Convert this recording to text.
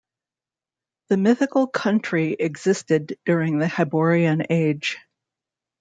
The mythical country existed during the Hyborian Age.